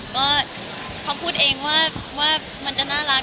ก็เขาพูดเองว่ามันจะน่ารัก